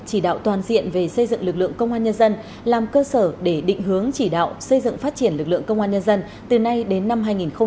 chỉ đạo toàn diện về xây dựng lực lượng công an nhân dân làm cơ sở để định hướng chỉ đạo xây dựng phát triển lực lượng công an nhân dân từ nay đến năm hai nghìn ba mươi